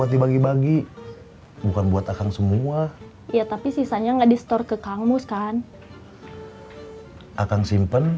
dibagi bagi bukan buat akang semua ya tapi sisanya nggak di store ke kamus kan akang simpen